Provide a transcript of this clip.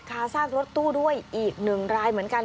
คาซากรถตู้ด้วยอีก๑รายเหมือนกัน